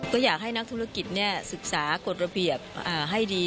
ก็อยากให้นักธุรกิจศึกษากฎระเบียบให้ดี